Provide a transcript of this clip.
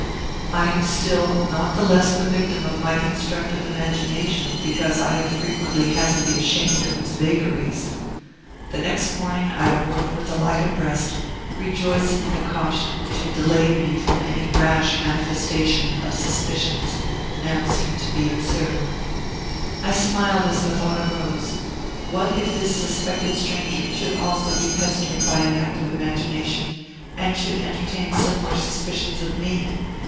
I am still not the less the victim of my constructive imagination, because I have frequently had to be ashamed of its vagaries. The next morning I awoke with a lighter breast, rejoicing in the caution which had delayed me from any rash manifestation of suspicions now seen to be absurd. I smiled as the thought arose: what if this suspected stranger should also be pestered by an active imagination, and should entertain similar suspicions of me?